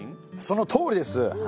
そのとおりです。